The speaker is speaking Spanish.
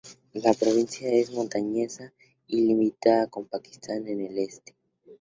La provincia es montañosa y limita con Pakistán en el este.